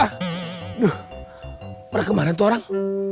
aduh pernah kemarin tuh orang